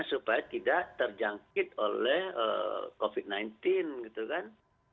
supaya tidak terjangkit oleh covid sembilan belas gitu kan